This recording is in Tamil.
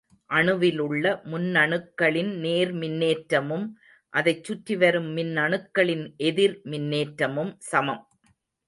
அணுவிலுள்ள முன்னணுக்களின் நேர் மின்னேற்றமும் அதைச் சுற்றிவரும் மின்னணுக்களின் எதிர் மின்னேற்றமும் சமம்.